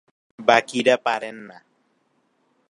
বাকীরা পারেন না।